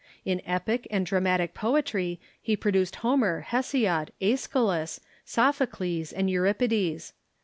In epic and dramatic poetry he produced Homer, He siod, yEschylus, Sophocles, and Euripides.